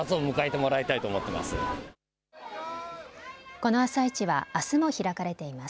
この朝市はあすも開かれています。